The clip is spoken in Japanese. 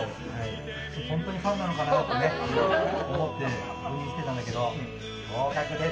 本当にファンなのかなと思って見ていたんだけど合格です。